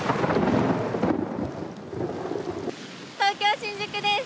東京・新宿です。